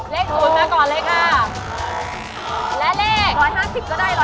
เลขสูตรมาก่อนเลยค่ะ